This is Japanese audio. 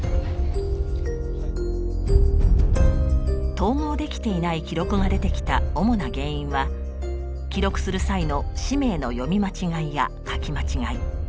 統合できていない記録が出てきた主な原因は記録する際の氏名の読み間違いや書き間違い。